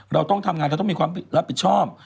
เราต้องทำงานเราต้องมีความรับผิดชอบ